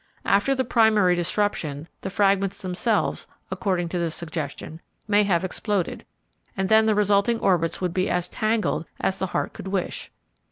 After the primary disruption the fragments themselves, according to this suggestion, may have exploded, and then the resulting orbits would be as "tangled" as the heart could wish.